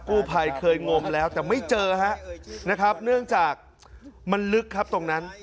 กู้ภัยเคยงมแล้วแต่ไม่เจอฮะนะครับเนื่องจากมันลึกครับตรงนั้น